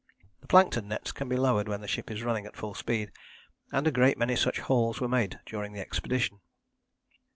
The plankton nets can be lowered when the ship is running at full speed, and a great many such hauls were made during the expedition.